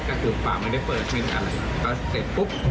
ก็คือฟาร์มไม่ได้เปิดไม่ได้อร่อยแต่เสร็จปุ๊บ